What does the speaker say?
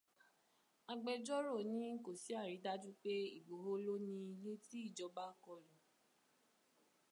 Agbẹjọ́rò ní kò sí àrídájú pé Ìgbòho ló ni ilé tí ìjọba kọlù.